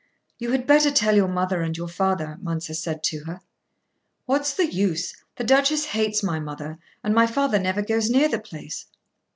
"You had better tell your mother and your father," Mounser said to her. "What's the use? The Duchess hates my mother, and my father never goes near the place."